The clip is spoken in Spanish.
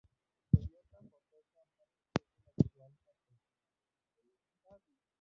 Toyota Motor Company es el actual patrocinador del estadio.